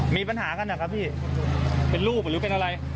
มีปัญหากันนะครับพี่เป็นลูกหรือเป็นอะไร